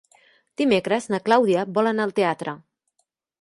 Dimecres na Clàudia vol anar al teatre.